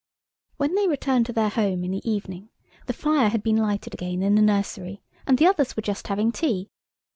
When they returned to their home in the evening the fire had been lighted again in the nursery, and the others were just having tea.